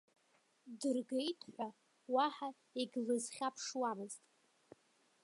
Дыргеит ҳәа, уаҳа егьлызхьаԥшуамызт.